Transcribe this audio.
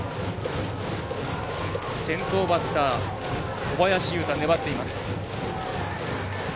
先頭バッター、小林優太粘っています。